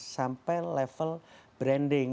sampai level branding